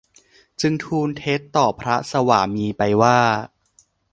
จึงทูลเท็จต่อพระสวามีไปว่า